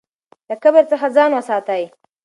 له کبر څخه ځان وساتئ.